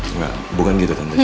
gak bukan gitu tante